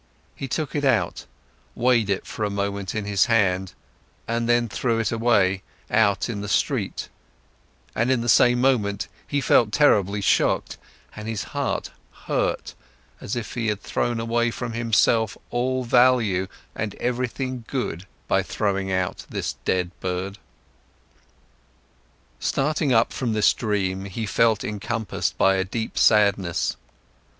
He took it out, weighed it for a moment in his hand, and then threw it away, out in the street, and in the same moment, he felt terribly shocked, and his heart hurt, as if he had thrown away from himself all value and everything good by throwing out this dead bird. Starting up from this dream, he felt encompassed by a deep sadness.